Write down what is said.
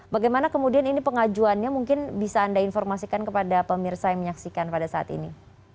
bagaimana kemudian ini pengajuannya mungkin bisa anda informasikan kepada pemirsa yang menyaksikan pada saat ini